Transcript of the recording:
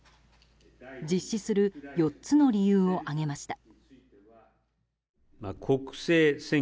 実施する４つの理由を挙げました。